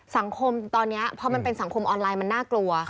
สังคมตอนนี้พอมันเป็นสังคมออนไลน์มันน่ากลัว